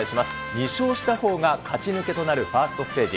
２勝したほうが勝ち抜けとなるファーストステージ。